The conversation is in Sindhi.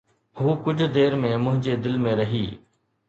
هو ڪجهه دير منهنجي دل ۾ رهي